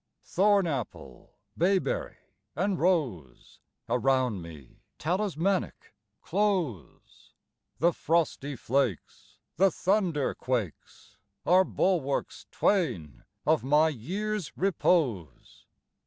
Thorn apple, bayberry and rose Around me, talismanic, close: The frosty flakes, the thunder quakes, Are bulwarks twain of my year's repose.